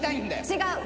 違う！